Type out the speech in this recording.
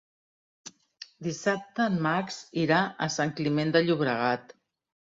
Dissabte en Max irà a Sant Climent de Llobregat.